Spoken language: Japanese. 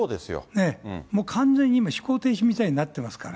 完全に今、思考停止みたいになってますから。